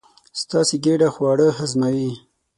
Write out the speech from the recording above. ستاسې ګېډه خواړه هضموي.